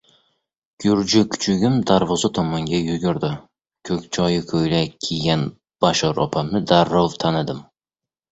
Gurji kuchugim darvoza tomonga yugurdi. Ko‘kshoyi ko‘ylak kiygan Bashor opamni darrov tanidim.